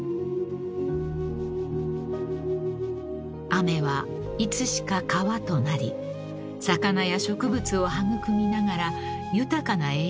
［雨はいつしか川となり魚や植物を育みながら豊かな栄養を海へと運んでゆく］